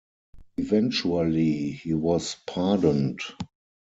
Eventually he was pardoned.